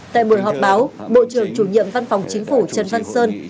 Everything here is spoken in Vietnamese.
tại buổi họp báo bộ trưởng chủ nhiệm văn phòng chính phủ trần văn sơn